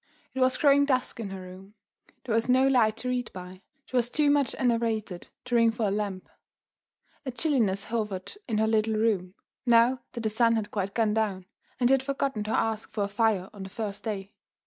It was growing dusk in her room, there was no light to read by, she was too much enervated to ring for a lamp; a chilliness hovered in her little room, now that the sun had quite gone down, and she had forgotten to ask for a fire on that first day.